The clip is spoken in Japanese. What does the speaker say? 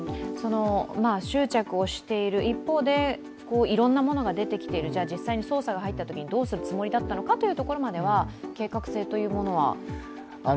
執着している、一方でいろんなものが出てきている、実際に捜査が入ったときにどうするつもりだったのかという。